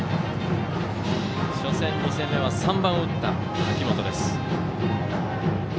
初戦、２戦目は３番を打った秋元です。